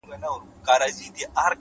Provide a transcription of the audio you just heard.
پر ځان باور نیمه بریا ده!